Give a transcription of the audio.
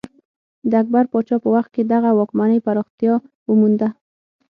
د اکبر پاچا په وخت کې دغه واکمنۍ پراختیا ومونده.